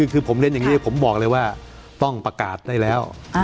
คือผมเรียนอย่างนี้ผมบอกเลยว่าต้องประกาศได้แล้ว